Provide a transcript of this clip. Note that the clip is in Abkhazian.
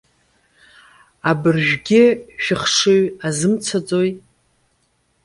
Абыржәгьы шәыхшыҩ азымцаӡои?